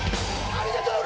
ありがとう！